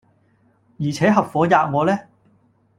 而且合夥喫我呢？